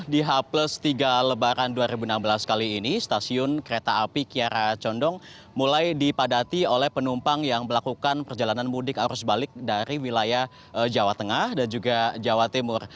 di h tiga lebaran dua ribu enam belas kali ini stasiun kereta api kiara condong mulai dipadati oleh penumpang yang melakukan perjalanan mudik arus balik dari wilayah jawa tengah dan juga jawa timur